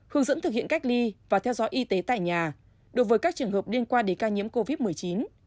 hướng dẫn thực hiện cách ly và theo dõi y tế tại nhà đối với các trường hợp liên quan đến ca nhiễm covid một mươi chín